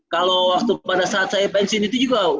kalau waktu pada saat saya pensiun itu juga